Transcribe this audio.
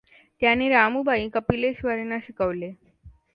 त्यांनी रामुबाई कपिलेश्वरींना शिकवले.